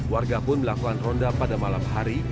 warga pun melakukan ronda pada malam hari